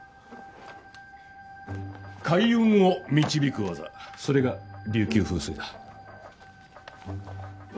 開運を導く技それが琉球風水だ。